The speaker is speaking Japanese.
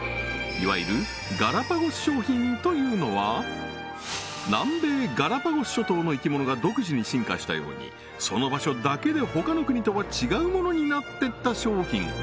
いわゆるガラパゴス商品というのは南米ガラパゴス諸島の生き物が独自に進化したようにその場所だけで他の国とは違うものになってった商品